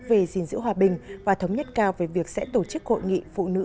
về gìn giữ hòa bình và thống nhất cao về việc sẽ tổ chức hội nghị phụ nữ